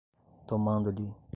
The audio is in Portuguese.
tomando-lhe